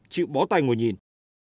chịu bó tay ngồi nhìn